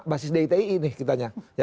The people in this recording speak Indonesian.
basis diti ini kitanya